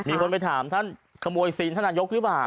มีคนไปถามท่านขโมยซีนท่านนายกหรือเปล่า